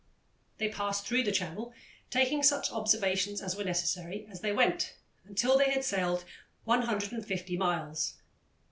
They passed through the channel, taking such observations as were necessary as they went, until they had sailed 150 miles.